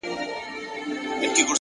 مهرباني د انسانیت بڼ خوشبویه کوي.!